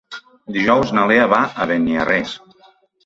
Dijous na Lea va a Beniarrés.